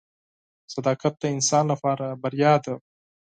• صداقت د انسان لپاره بریا ده.